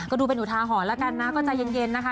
ก็ดูเป็นอุทาหรณ์แล้วกันนะก็ใจเย็นนะคะ